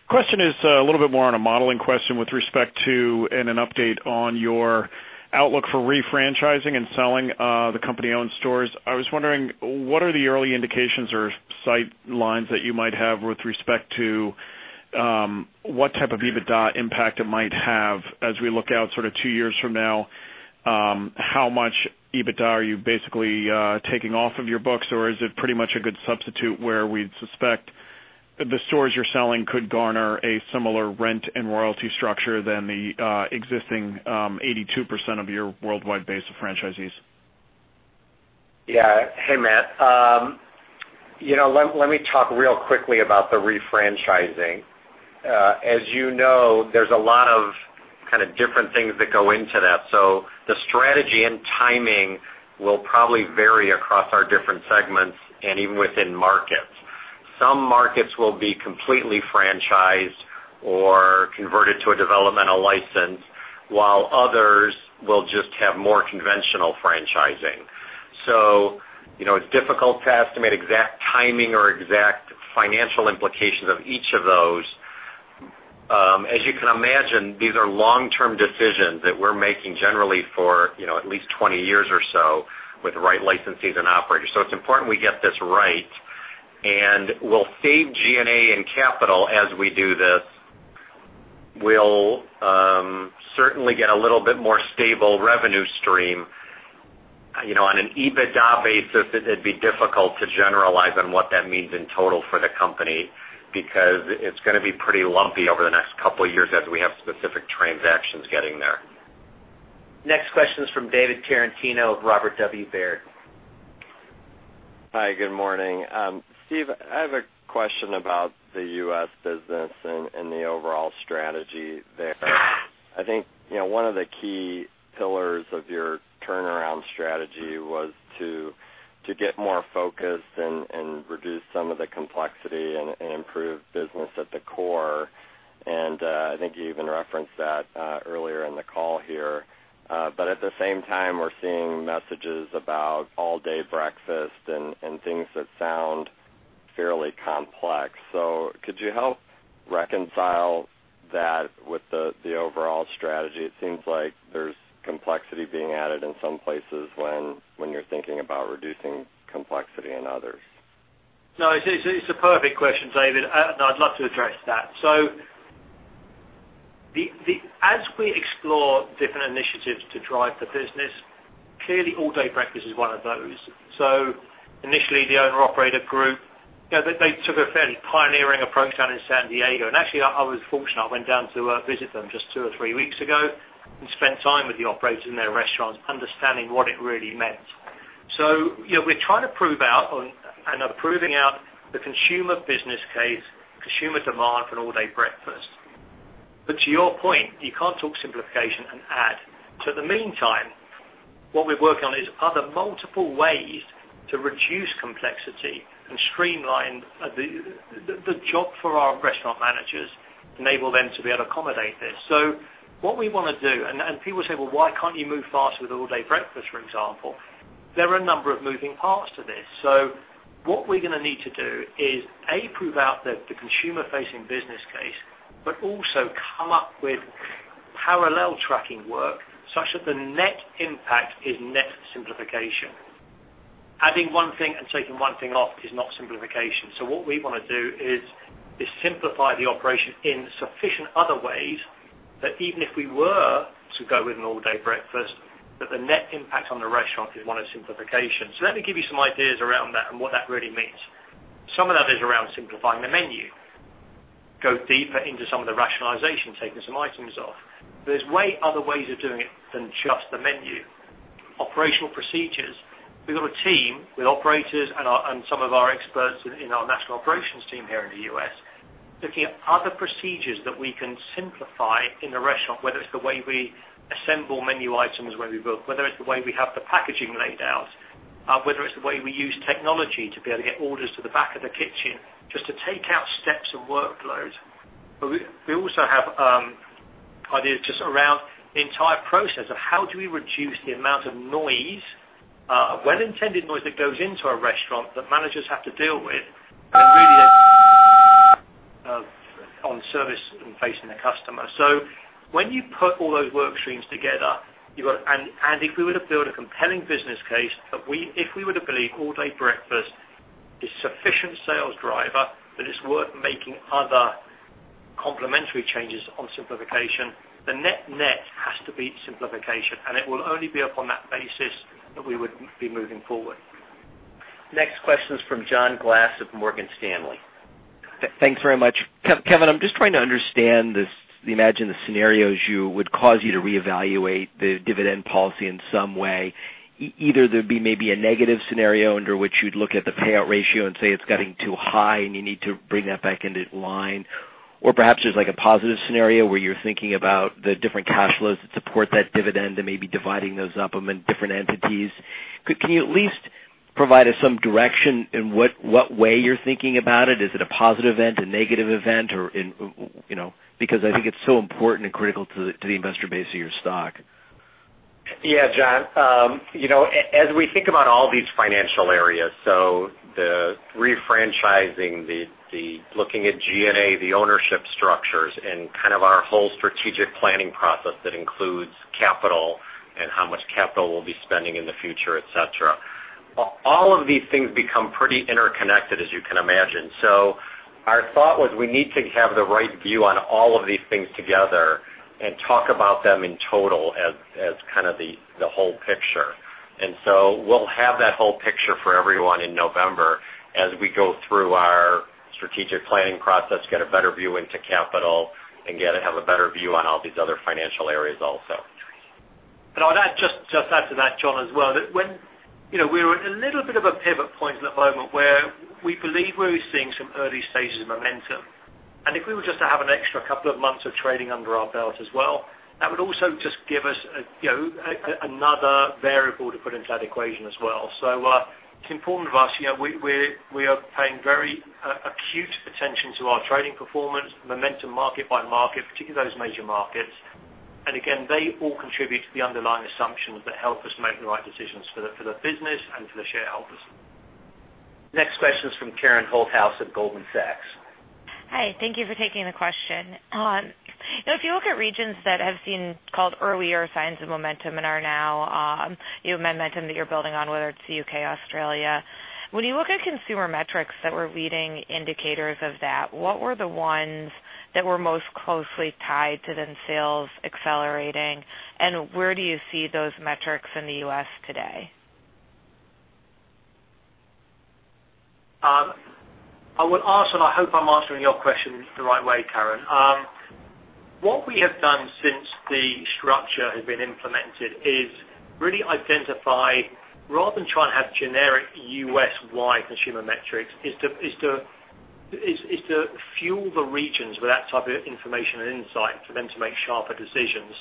Question is a little bit more on a modeling question with respect to, and an update on your outlook for re-franchising and selling the company-owned stores. I was wondering, what are the early indications or sight lines that you might have with respect to what type of EBITDA impact it might have as we look out two years from now? How much EBITDA are you basically taking off of your books, or is it pretty much a good substitute where we'd suspect the stores you're selling could garner a similar rent and royalty structure than the existing 82% of your worldwide base of franchisees? Hey, Matt. Let me talk real quickly about the re-franchising. As you know, there's a lot of kind of different things that go into that. The strategy and timing will probably vary across our different segments and even within markets. Some markets will be completely franchised or converted to a developmental license, while others will just have more conventional franchising. It's difficult to estimate exact timing or exact financial implications of each of those. As you can imagine, these are long-term decisions that we're making generally for at least 20 years or so with the right licensees and operators. It's important we get this right, and we'll save G&A and capital as we do this. We'll certainly get a little bit more stable revenue stream. On an EBITDA basis, it'd be difficult to generalize on what that means in total for the company because it's going to be pretty lumpy over the next couple of years as we have specific transactions getting there. Next question is from David Tarantino of Robert W. Baird. Hi, good morning, Steve. I have a question about the U.S. business and the overall strategy there. I think one of the key pillars of your turnaround strategy was to get more focused and reduce some of the complexity and improve business at the core. I think you even referenced that earlier in the call here. At the same time, we're seeing messages about all-day breakfast and things that sound fairly complex. Could you help reconcile that with the overall strategy? It seems like there's complexity being added in some places when you're thinking about reducing complexity in others. No, it's a perfect question, David, I'd love to address that. As we explore different initiatives to drive the business, clearly All-Day Breakfast is one of those. Initially, the owner-operator group, they took a fairly pioneering approach down in San Diego. Actually, I was fortunate. I went down to visit them just two or three weeks ago and spent time with the operators in their restaurants understanding what it really meant. We're trying to prove out and are proving out the consumer business case, consumer demand for an All-Day Breakfast. To your point, you can't talk simplification and add. In the meantime, what we're working on is other multiple ways to reduce complexity and streamline the job for our restaurant managers, enable them to be able to accommodate this. What we want to do, and people say, "Well, why can't you move faster with All-Day Breakfast?" for example. There are a number of moving parts to this. What we're going to need to do is, A, prove out the consumer-facing business case, but also come up with parallel tracking work such that the net impact is net simplification. Adding one thing and taking one thing off is not simplification. What we want to do is simplify the operation in sufficient other ways that even if we were to go with an All-Day Breakfast, that the net impact on the restaurant is one of simplification. Let me give you some ideas around that and what that really means. Some of that is around simplifying the menu, go deeper into some of the rationalization, taking some items off. There's way other ways of doing it than just the menu. Operational procedures. We've got a team with operators and some of our experts in our national operations team here in the U.S., looking at other procedures that we can simplify in the restaurant, whether it's the way we assemble menu items, where we book, whether it's the way we have the packaging laid out, whether it's the way we use technology to be able to get orders to the back of the kitchen, just to take out steps and workload. We also have ideas just around the entire process of how do we reduce the amount of noise, of well-intended noise that goes into a restaurant that managers have to deal with on service and facing the customer. When you put all those work streams together, if we were to build a compelling business case that if we were to believe All-Day Breakfast is sufficient sales driver, that it's worth making other complementary changes on simplification, the net has to be simplification, and it will only be up on that basis that we would be moving forward. Next question is from John Glass of Morgan Stanley. Thanks very much. Kevin, I'm just trying to understand this. Imagine the scenarios would cause you to reevaluate the dividend policy in some way. Either there'd be maybe a negative scenario under which you'd look at the payout ratio and say it's getting too high and you need to bring that back into line. Perhaps there's like a positive scenario where you're thinking about the different cash flows that support that dividend and maybe dividing those up among different entities. Can you at least provide us some direction in what way you're thinking about it? Is it a positive event, a negative event? I think it's so important and critical to the investor base of your stock. Yeah, John. As we think about all these financial areas, so the refranchising, looking at G&A, the ownership structures, and kind of our whole strategic planning process that includes capital and how much capital we'll be spending in the future, et cetera. All of these things become pretty interconnected, as you can imagine. Our thought was we need to have the right view on all of these things together and talk about them in total as kind of the whole picture. We'll have that whole picture for everyone in November as we go through our strategic planning process, get a better view into capital, and have a better view on all these other financial areas also. I'll just add to that, John, as well, that we're at a little bit of a pivot point at the moment where we believe we're seeing some early stages of momentum. If we were just to have an extra couple of months of trading under our belt as well, that would also just give us another variable to put into that equation as well. It's important to us. We are paying very acute attention to our trading performance, momentum market by market, particularly those major markets. Again, they all contribute to the underlying assumptions that help us make the right decisions for the business and for the shareholders. Next question is from Karen Holthouse at Goldman Sachs. Hi, thank you for taking the question. If you look at regions that have seen called earlier signs of momentum and are now, momentum that you're building on, whether it's U.K., Australia. When you look at consumer metrics that were leading indicators of that, what were the ones that were most closely tied to then sales accelerating, and where do you see those metrics in the U.S. today? I would ask, and I hope I'm answering your question the right way, Karen. What we have done since the structure has been implemented is really identify, rather than try and have generic U.S.-wide consumer metrics, is to fuel the regions with that type of information and insight for them to make sharper decisions.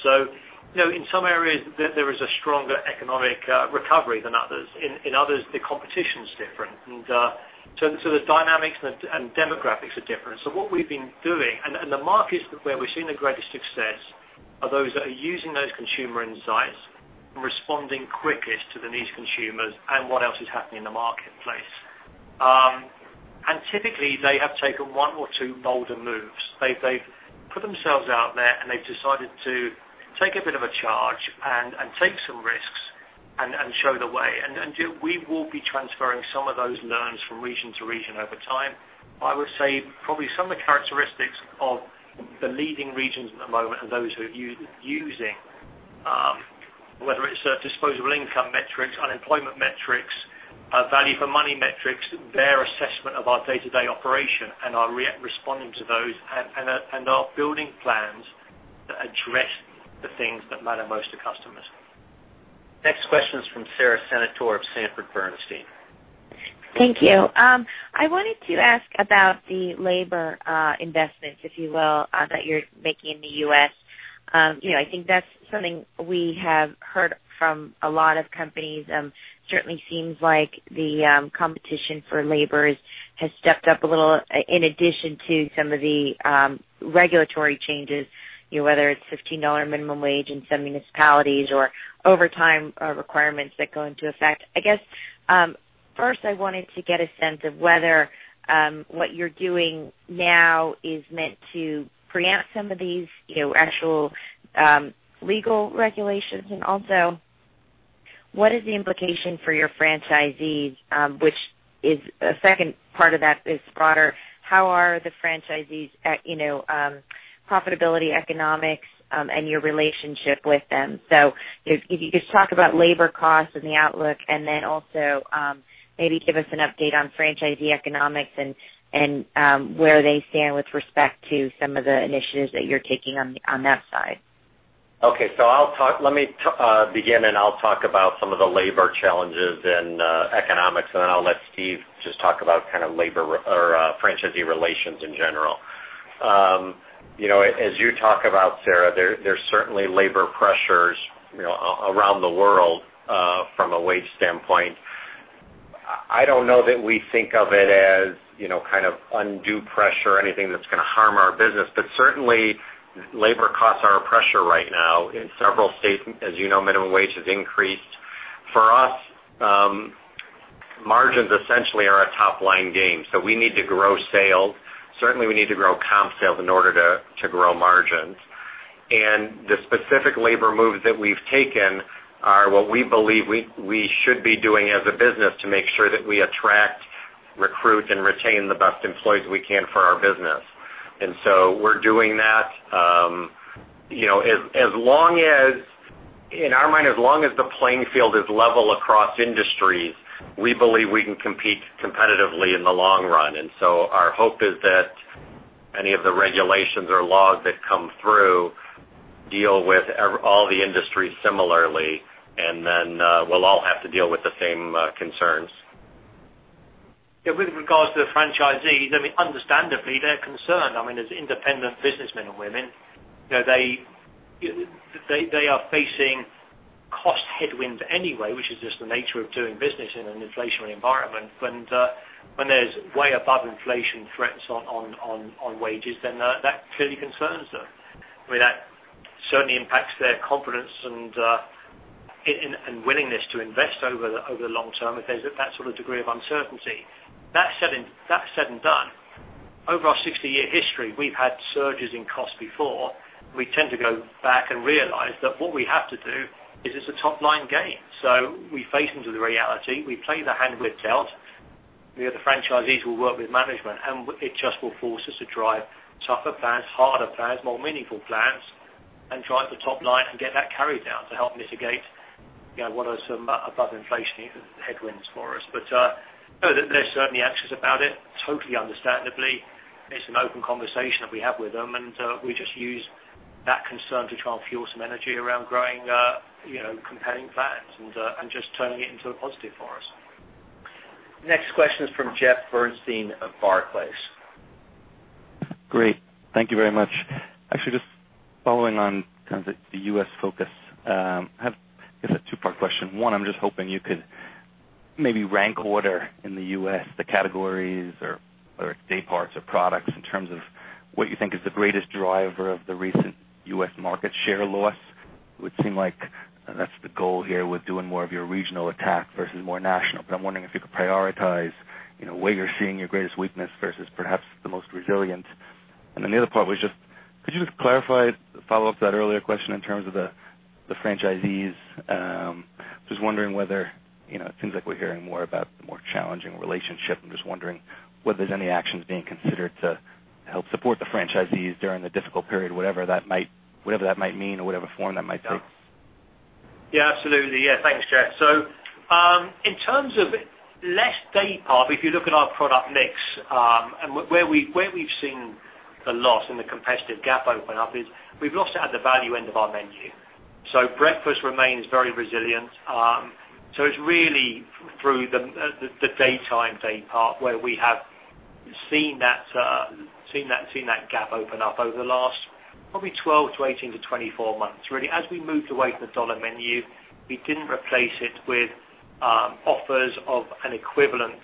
In some areas, there is a stronger economic recovery than others. In others, the competition is different. The dynamics and demographics are different. What we've been doing, and the markets where we're seeing the greatest success are those that are using those consumer insights and responding quickest to the needs of consumers and what else is happening in the marketplace. Typically, they have taken one or two bolder moves. They've put themselves out there, and they've decided to take a bit of a charge and take some risks and show the way. We will be transferring some of those learnings from region to region over time. I would say probably some of the characteristics of the leading regions at the moment are those who are using, whether it's disposable income metrics, unemployment metrics, value for money metrics, their assessment of our day-to-day operation and are responding to those and are building plans The things that matter most to customers. Next question is from Sara Senatore of Sanford C. Bernstein. Thank you. I wanted to ask about the labor investments, if you will, that you're making in the U.S. I think that's something we have heard from a lot of companies. Certainly seems like the competition for labor has stepped up a little, in addition to some of the regulatory changes, whether it's $15 minimum wage in some municipalities or overtime requirements that go into effect. I guess, first I wanted to get a sense of whether what you're doing now is meant to preempt some of these actual legal regulations. Also, what is the implication for your franchisees, which is a second part of that is broader, how are the franchisees at profitability economics, and your relationship with them? If you could just talk about labor costs and the outlook, and then also, maybe give us an update on franchisee economics and where they stand with respect to some of the initiatives that you're taking on that side. Okay. Let me begin, and I'll talk about some of the labor challenges and economics, and then I'll let Steve just talk about franchisee relations in general. As you talk about, Sara, there's certainly labor pressures around the world, from a wage standpoint. I don't know that we think of it as undue pressure or anything that's going to harm our business. Certainly, labor costs are a pressure right now. In several states, as you know, minimum wage has increased. For us, margins essentially are a top-line game. We need to grow sales. Certainly, we need to grow comp sales in order to grow margins. The specific labor moves that we've taken are what we believe we should be doing as a business to make sure that we attract, recruit, and retain the best employees we can for our business. We're doing that. In our mind, as long as the playing field is level across industries, we believe we can compete competitively in the long run. Our hope is that any of the regulations or laws that come through deal with all the industries similarly, and then we'll all have to deal with the same concerns. With regards to the franchisees, understandably, they're concerned. As independent businessmen and women, they are facing cost headwinds anyway, which is just the nature of doing business in an inflationary environment. When there's way above inflation threats on wages, then that clearly concerns them. That certainly impacts their confidence and willingness to invest over the long term if there's that sort of degree of uncertainty. That said and done, over our 60-year history, we've had surges in cost before. We tend to go back and realize that what we have to do is it's a top-line game. We face into the reality. We play the hand we're dealt. The franchisees will work with management, and it just will force us to drive tougher plans, harder plans, more meaningful plans, and drive the top line and get that carried down to help mitigate what are some above-inflation headwinds for us. They're certainly anxious about it, totally understandably. It's an open conversation that we have with them, and we just use that concern to try and fuel some energy around growing compelling plans and just turning it into a positive for us. Next question is from Jeffrey Bernstein of Barclays. Great. Thank you very much. Actually, just following on the U.S. focus, I have, I guess, a two-part question. One, I'm just hoping you could maybe rank order in the U.S. the categories or day parts or products in terms of what you think is the greatest driver of the recent U.S. market share loss. It would seem like that's the goal here with doing more of your regional attack versus more national, but I'm wondering if you could prioritize where you're seeing your greatest weakness versus perhaps the most resilient. Then the other part was just, could you just clarify, follow up to that earlier question in terms of the franchisees. Just wondering whether, it seems like we're hearing more about the more challenging relationship. I'm just wondering whether there's any actions being considered to help support the franchisees during the difficult period, whatever that might mean or whatever form that might take. Absolutely. Thanks, Jeff. In terms of less day part, if you look at our product mix, and where we've seen the loss and the competitive gap open up is we've lost it at the value end of our menu. Breakfast remains very resilient. It's really through the daytime day part where we have seen that gap open up over the last probably 12 to 18 to 24 months. Really, as we moved away from the Dollar Menu, we didn't replace it with offers of an equivalent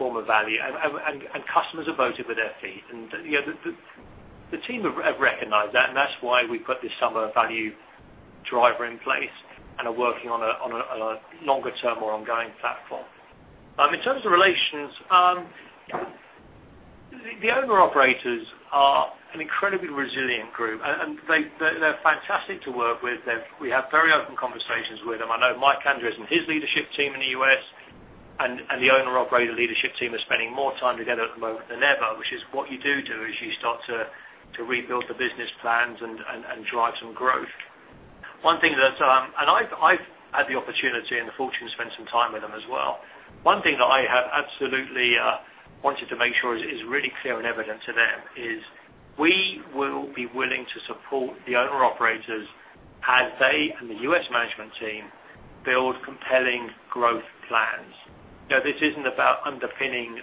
form of value, and customers have voted with their feet. The team have recognized that, and that's why we put this summer value driver in place and are working on a longer-term, more ongoing platform. In terms of relations, the owner-operators are an incredibly resilient group, and they're fantastic to work with. We have very open conversations with them. I know Mike Andres and his leadership team in the U.S. and the owner-operator leadership team are spending more time together at the moment than ever, which is what you do is you start to rebuild the business plans and drive some growth. I've had the opportunity and the fortune to spend some time with them as well. One thing that I have absolutely Wanted to make sure it is really clear and evident to them is we will be willing to support the owner-operators as they and the U.S. management team build compelling growth plans. This isn't about underpinning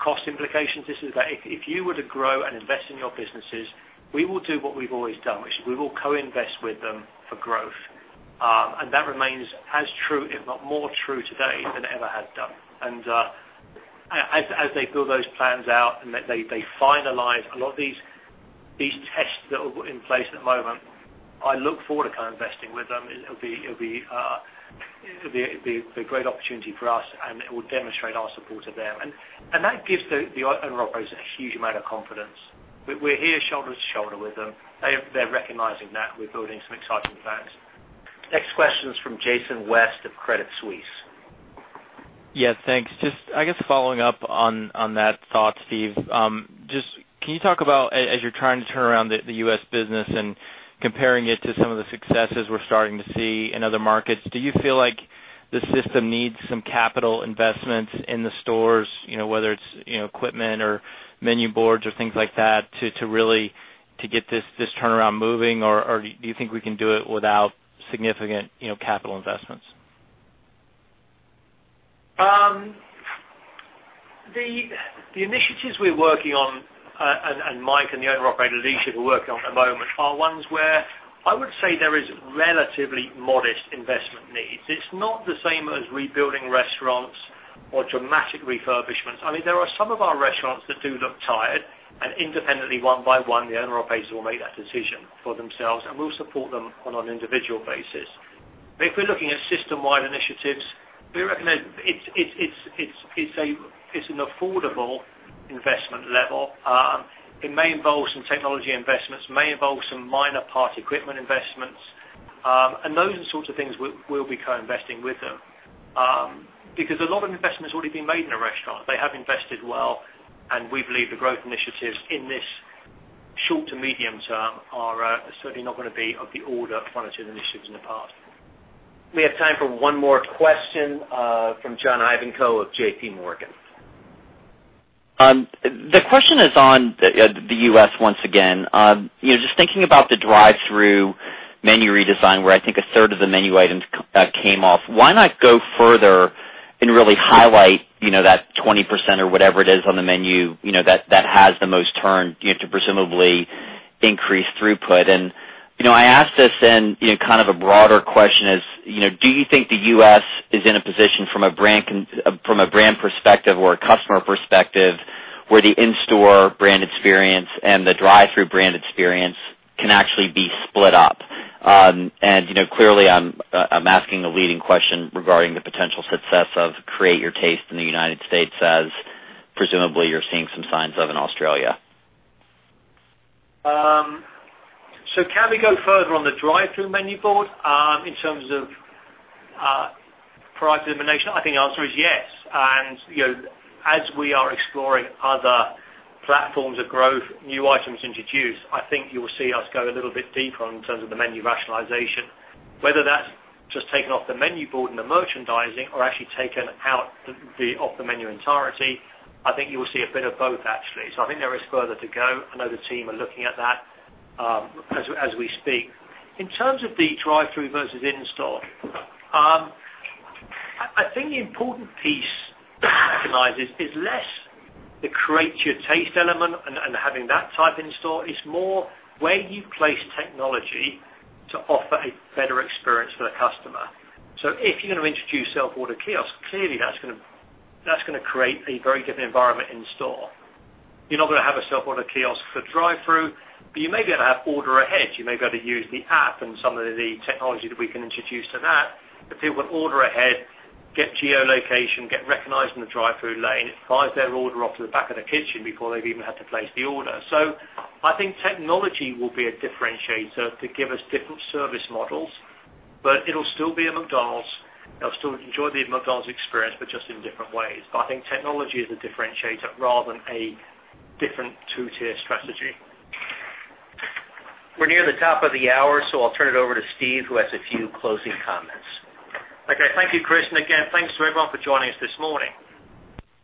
cost implications. This is that if you were to grow and invest in your businesses, we will do what we've always done, which we will co-invest with them for growth. That remains as true, if not more true today than it ever has done. As they build those plans out and they finalize a lot of these tests that are in place at the moment, I look forward to co-investing with them. It'll be a great opportunity for us, and it will demonstrate our support of them. That gives the owner-operators a huge amount of confidence. We're here shoulder to shoulder with them. They're recognizing that we're building some exciting plans. Next question is from Jason West of Credit Suisse. Yes, thanks. Just following up on that thought, Steve. Can you talk about, as you're trying to turn around the U.S. business and comparing it to some of the successes we're starting to see in other markets, do you feel like the system needs some capital investments in the stores, whether it's equipment or menu boards or things like that, to get this turnaround moving, or do you think we can do it without significant capital investments? The initiatives we're working on, Mike and the owner-operators leadership are working on at the moment, are ones where I would say there is relatively modest investment needs. It's not the same as rebuilding restaurants or dramatic refurbishments. There are some of our restaurants that do look tired, and independently, one by one, the owner-operators will make that decision for themselves, and we'll support them on an individual basis. If we're looking at system-wide initiatives, it's an affordable investment level. It may involve some technology investments, may involve some minor part equipment investments. Those are the sorts of things we'll be co-investing with them. A lot of investment has already been made in a restaurant. They have invested well, and we believe the growth initiatives in this short to medium term are certainly not going to be of the order of financial initiatives in the past. We have time for one more question from John Ivankoe of J.P. Morgan. The question is on the U.S. once again. Just thinking about the drive-thru menu redesign, where I think a third of the menu items came off, why not go further and really highlight that 20% or whatever it is on the menu that has the most turn to presumably increase throughput? I ask this in kind of a broader question is, do you think the U.S. is in a position from a brand perspective or a customer perspective where the in-store brand experience and the drive-thru brand experience can actually be split up? Clearly, I'm asking a leading question regarding the potential success of Create Your Taste in the U.S. as presumably you're seeing some signs of in Australia. Can we go further on the drive-thru menu board in terms of product elimination? I think the answer is yes. As we are exploring other platforms of growth, new items introduced, I think you will see us go a little bit deeper in terms of the menu rationalization, whether that's just taken off the menu board and the merchandising or actually taken off the menu entirely. I think you will see a bit of both, actually. I think there is further to go. I know the team are looking at that as we speak. In terms of the drive-thru versus in-store, I think the important piece to recognize is less the Create Your Taste element and having that type in-store. It's more where you place technology to offer a better experience for the customer. If you're going to introduce self-order kiosk, clearly that's going to create a very different environment in store. You're not going to have a self-order kiosk for drive-thru, but you may be able to have order ahead. You may be able to use the app and some of the technology that we can introduce to that. The people that order ahead get geolocation, get recognized in the drive-thru lane. It fires their order off to the back of the kitchen before they've even had to place the order. I think technology will be a differentiator to give us different service models, but it'll still be a McDonald's. They'll still enjoy the McDonald's experience, but just in different ways. I think technology is a differentiator rather than a different two-tier strategy. We're near the top of the hour, I'll turn it over to Steve, who has a few closing comments. Okay. Thank you, Chris. Again, thanks to everyone for joining us this morning.